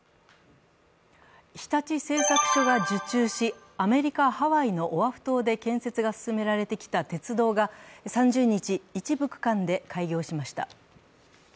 日立製作所が受注し、アメリカ・ハワイのオアフ島で建設が進められてきた鉄道が３０日、一部区間で開業しました。